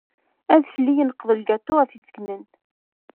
Aḍefli yenkeḍ lgaṭu f izeǧnan.